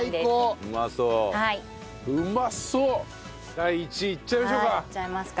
第１位いっちゃいましょうか。